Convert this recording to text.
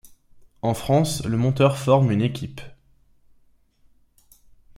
En France, le monteur forme une équipe.